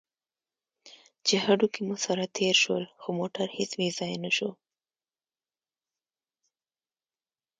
چې هډوکي مو سره تېر شول، خو موټر هېڅ بې ځایه نه شو.